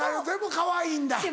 でもかわいいんだ。